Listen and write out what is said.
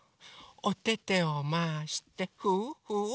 おててをまわしてフゥフゥ！